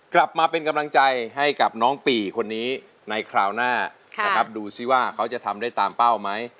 กลับมาเป็นกำลังใจให้กับน้องปีคนนี้ในคราวหน้านะครับดูสิว่าเขาจะทำได้ตามเป้าไหม